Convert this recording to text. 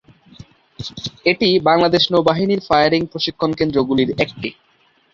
এটি বাংলাদেশ নৌবাহিনীর ফায়ারিং প্রশিক্ষণ কেন্দ্রগুলির একটি।